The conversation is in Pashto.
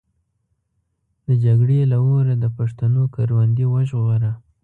د جګړې له اوره د پښتنو کروندې وژغوره.